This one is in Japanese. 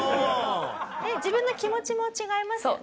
自分の気持ちも違いますよね。